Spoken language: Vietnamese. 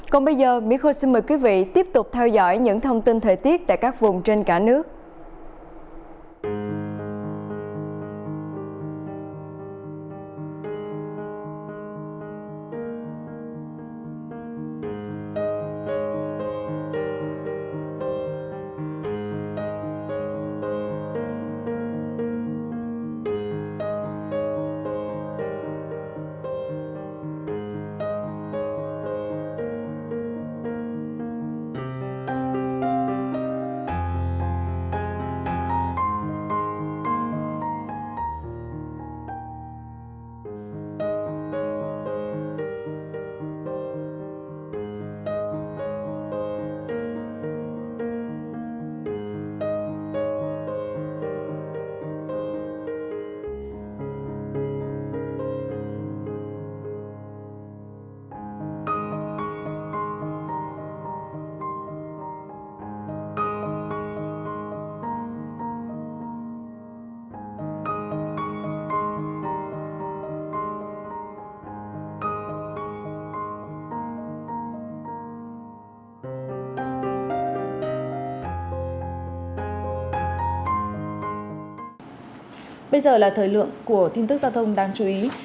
còn bây giờ mỹ khôi xin mời quý vị tiếp tục theo dõi những thông tin thời tiết tại các vùng trên cả nước